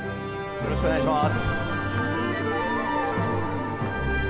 よろしくお願いします